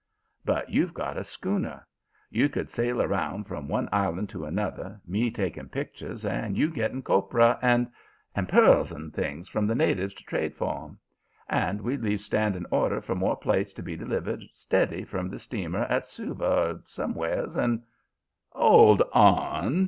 But you've got a schooner. You could sail around from one island to another, me taking pictures and you getting copra and and pearls and things from the natives in trade for 'em. And we'd leave a standing order for more plates to be delivered steady from the steamer at Suva or somewheres, and ' "''Old on!'